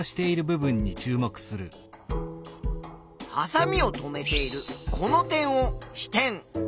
はさみを留めているこの点を「支点」。